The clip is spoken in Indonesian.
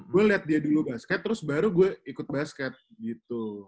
gue liat dia dulu basket terus baru gue ikut basket gitu